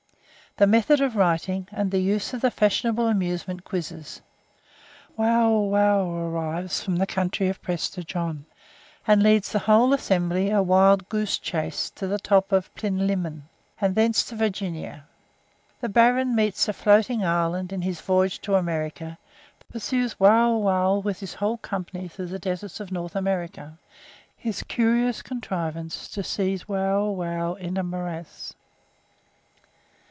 The method of writing, and the use of the fashionable amusement quizzes Wauwau arrives from the country of Prester John, and leads the whole Assembly a wild goose chase to the top of Plinlimmon, and thence to Virginia The Baron meets a floating island in his voyage to America Pursues Wauwau with his whole company through the deserts of North America His curious contrivance to seize Wauwau in a morass.